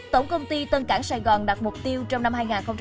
tổng công ty tân cảng sài gòn đặt mục tiêu trong năm hai nghìn hai mươi